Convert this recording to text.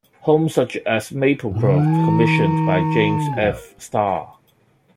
Homes such as "Maplecroft", commissioned by James F. Starr.